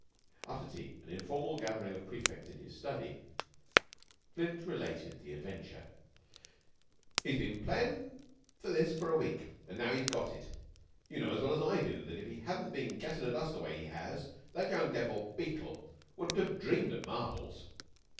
After tea, at an informal gathering of prefects in his study, Flint related the adventure. "He's been playin' for this for a week, and now he's got it. You know as well as I do that if he hadn't been gassing at us the way he has, that young devil Beetle wouldn't have dreamed of marbles."